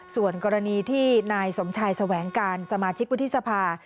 ส่วนกรณีที่นายสมชายแสวงการสมาชิกวุฒิสภา